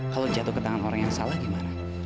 kalau jatuh ke tangan orang yang salah gimana